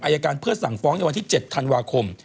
อายการเพื่อสั่งฟ้องในวันที่๗ธันวาคม